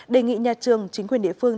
đề nghị nhà trường chính quyền địa phương